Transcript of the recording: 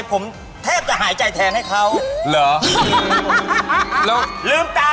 ผมแทบจะหายใจแทนให้เขาเหรอ